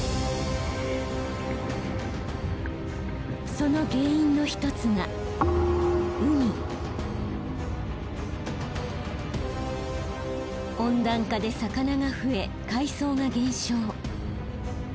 その原因の一つが温暖化で魚が増え海藻が減少。